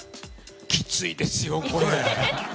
きついですよ、これ。